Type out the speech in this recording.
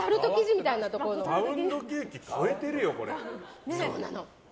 パウンドケーキ超えてるよ。